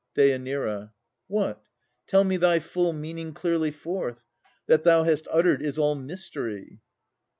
DÊ. What? Tell me thy full meaning clearly forth. That thou hast uttered is all mystery.